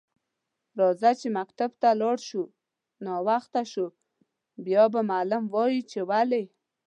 راځه چی مکتب ته لاړ شو ناوخته شو بیا به معلم وایی چی ولی